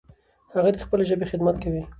هغه د خپلې ژبې خدمت کوي.